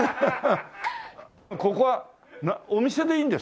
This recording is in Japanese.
ここはお店でいいんですか？